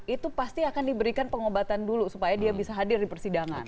itu pasti akan diberikan pengobatan dulu supaya dia bisa hadir di persidangan